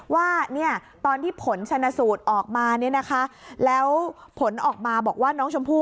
ว่าตอนที่ผลชนสูตรออกมาแล้วผลออกมาบอกว่าน้องชมพู